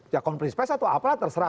ya konfirmasi pesat atau apalah terserah